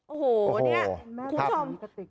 โอ้โหเนี่ยคุณผู้ชม